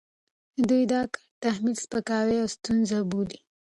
دوی دا کار تحمیل، سپکاوی او ستونزه بولي،